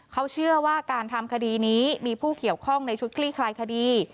เขาเชื่อว่าการทำคดีนี้มีผู้เกี่ยวข้องในชุดคลี่คลายคดี